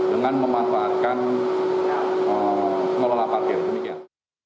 dengan memanfaatkan pengelola parkir demikian